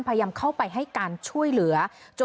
พยายามเข้าไปให้การช่วยเหลือ